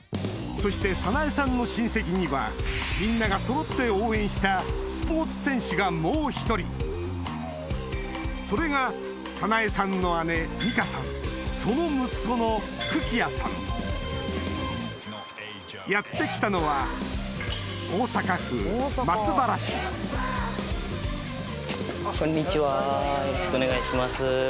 そして早苗さんの親戚にはみんながそろって応援したスポーツ選手がもう１人それが早苗さんの姉実花さんその息子の久貴也さんやって来たのはこんにちはよろしくお願いします。